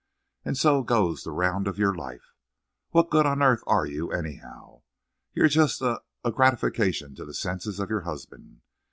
And so goes the round of your life. What good on earth are you, anyhow? You're just a—a gratification to the senses of your husband.